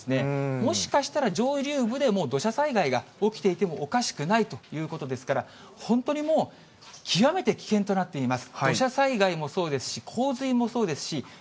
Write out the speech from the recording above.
もしかしたら上流部でもう土砂災害が起きていてもおかしくないということですから、本当にもう、極めて危険となっています。